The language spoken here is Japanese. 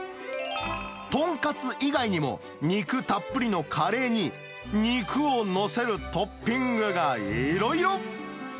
豚カツ以外にも、肉たっぷりのカレーに肉を載せるトッピングがいろいろ。